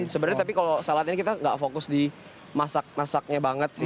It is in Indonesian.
sebenarnya tapi kalau salad ini kita gak fokus di masak masaknya banget sih